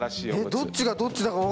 どっちがどっちだ。